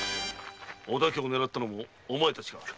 お竹を狙ったのもお前たちか。